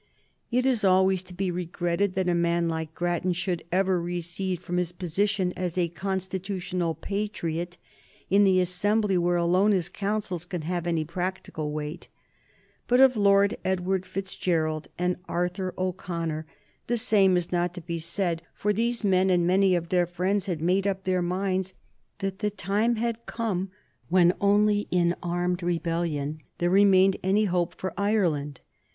It is always to be regretted that a man like Grattan should ever recede from his position as a constitutional patriot in the assembly where alone his counsels can have any practical weight; but of Lord Edward Fitzgerald and Arthur O'Connor the same is not to be said, for these men and many of their friends had made up their minds that the time had come when only in armed rebellion there remained any hope for Ireland.